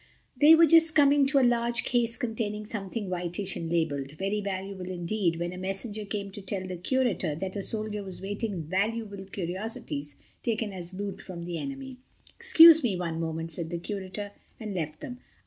They were just coming to a large case containing something whitish and labeled, "Very valuable indeed," when a messenger came to tell the Curator that a soldier was waiting with valuable curiosities taken as loot from the enemy. "Excuse me one moment," said the Curator, and left them.